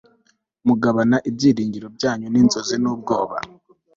mugabana ibyiringiro byanyu ninzozi nubwoba